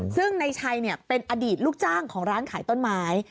ซึ่งในชัยเป็นอดีตลูกจ้างของร้านขายต้นไม้